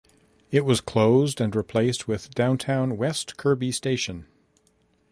It was closed and replaced with Downtown West-Kerby station.